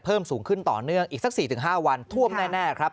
เพิ่มสูงขึ้นต่อเนื่องอีกสักสี่ถึงห้าวันท่วมแน่แน่ครับ